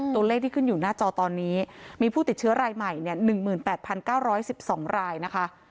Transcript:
ตัวเลขที่ขึ้นอยู่หน้าจอตอนนี้มีผู้ติดเชื้อรายใหม่๑๘๙๑๒รายนะคะ